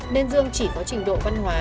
nên dương chỉ có trình độ văn hóa